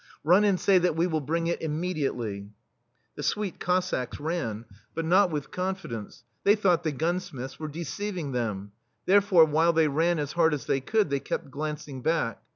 Run and say that we will bring it immediately. The Suite Cossacks ran, but not with THE STEEL FLEA confidence — they thought the gun smiths were deceiving them; there fore, while they ran as hard as they could, they kept glancing back.